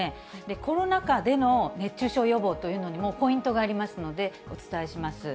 コロナ禍での熱中症予防というのにもポイントがありますので、お伝えします。